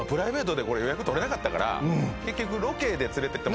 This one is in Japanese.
結局。